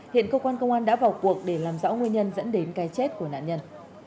hiện cơ quan công an đã vào cuộc để làm rõ nguyên nhân dẫn đến cái chết của nạn nhân